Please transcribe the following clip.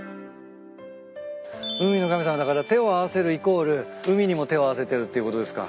海の神様だから手を合わせるイコール海にも手を合わせてるっていうことですか？